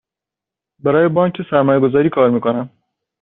برای بانک سرمایه گذاری کار می کنم.